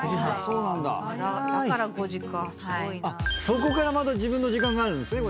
そこからまた自分の時間があるんですね。